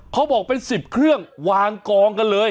เขาบอกเป็น๑๐เครื่องวางกองกันเลย